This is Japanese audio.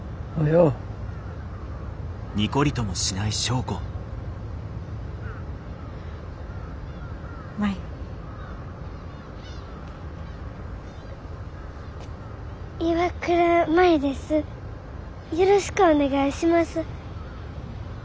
よろしくお願いします。